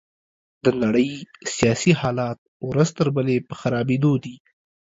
د نړۍ سياسي حالات ورځ تر بلې په خرابيدو دي.